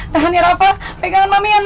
tahan ya rafa pegangan mami ya nak